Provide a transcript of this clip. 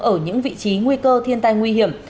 ở những vị trí nguy cơ thiên tai nguy hiểm